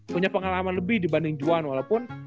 punya pengalaman lebih dibanding juan walaupun